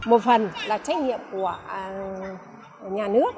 một phần là trách nhiệm của nhà nước